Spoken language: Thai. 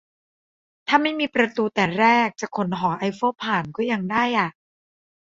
ถ้าไม่มีประตูแต่แรก จะขนหอไอเฟลผ่านก็ยังได้อะ